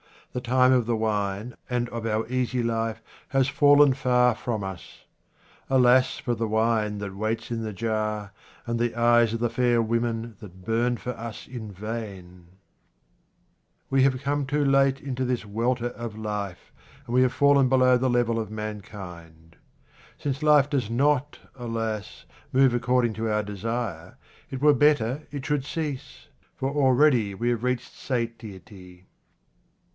The time of the wine and of our easy life has fallen far from us. Alas for the wine that waits in the jar, and the eyes of the fair women that burn for us in vain ! We have come too late into this welter of life, and we have fallen below the level of mankind. Since life does not, alas ! move according to our desire, it were better it should cease ; for already we have reached satiety.